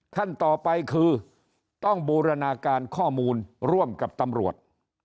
ท่านต่อไปคือต้องบูรณาการข้อมูลร่วมกับตำรวจ